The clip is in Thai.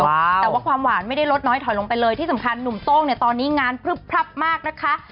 แต่ว่าความหวานไม่ได้ลดน้อยถอยลงไปเลยที่สำคัญหนุ่มโต้งเนี่ยตอนนี้งานพลึบพลับมากนะคะ